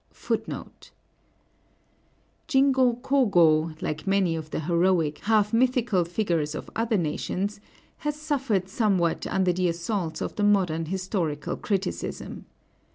Jingo Kōgō, like many of the heroic, half mythical figures of other nations, has suffered somewhat under the assaults of the modern historical criticism.